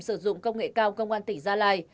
sử dụng công nghệ cao công an tỉnh gia lai